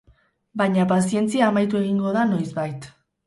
Baina pazientzia amaitu egingo da noizbait.